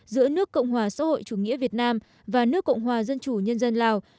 giữa nước cộng hòa xã hội chủ nghĩa việt nam và nước cộng hòa dân chủ nhân dân lào